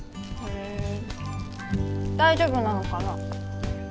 へえ大丈夫なのかな。